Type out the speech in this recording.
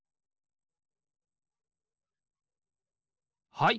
はい。